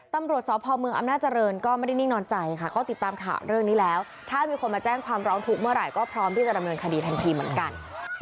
ตำรวจสพเมืองอำนาจริงก็ไม่ได้นิ่งนอนใจค่ะก็ติดตามข่าวเรื่องนี้แล้วถ้ามีคนมาแจ้งความร้องทุกข์เมื่อไหร่ก็พร้อมที่จะดำเนินคดีทันทีเหมือนกัน